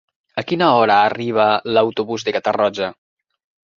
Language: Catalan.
A quina hora arriba l'autobús de Catarroja?